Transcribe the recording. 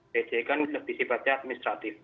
pj kan sudah bisa baca administratif